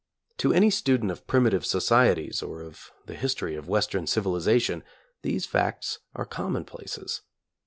To any student of primitive societies or of the history of Western civilization, these facts are commonplaces.